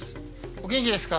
お元気ですか？